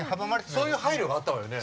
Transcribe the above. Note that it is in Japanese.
そういう配慮があったわよね。